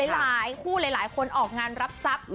หลายคู่หลายคนออกงานรับทรัพย์